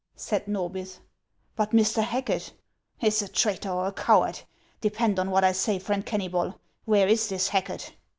said Xorhith. " But Mr. Hacket —"" Is a traitor or a coward. Depend on what I say, friend Kennvbol. "Where is this Hacket